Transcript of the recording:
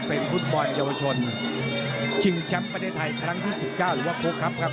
เป็นฟุตบอลเยาวชนชิงแชมป์ประเทศไทยครั้งที่๑๙หรือว่าโค้กครับครับ